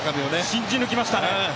信じぬきましたね。